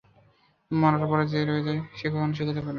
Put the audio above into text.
মরার পরে যে রয়ে যায়, সে কখনও সুখী হতে পারে না।